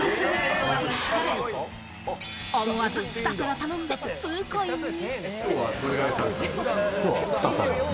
思わず２皿頼んで、２コインに。